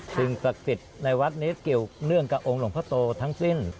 สิ่งศักดิ์สิทธิ์ในวัดนี้เกี่ยวเนื่องกับองค์หลวงพ่อโตทั้งสิ้น